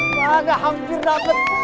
mana hampir dapet